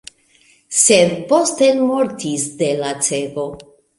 Sed Bosten mortis de lacego.